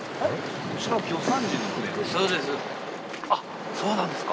あっそうなんですか。